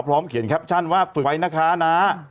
พร้อมเขียนแคปชั่นว่าฝึกไว้นะคะนะ